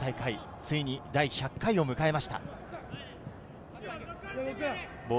ついに第１００回を迎えました。